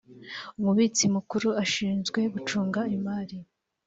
umubitsi mukuru ashinzwe gucunga imari